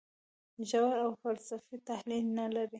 ژور او فلسفي تحلیل نه لري.